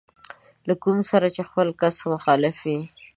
له کوم سره چې خپله کس مخالف وي.